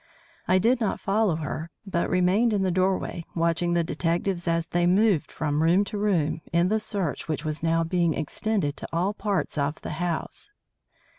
I did not follow her, but remained in the doorway watching the detectives as they moved from room to room in the search which was now being extended to all parts of the house.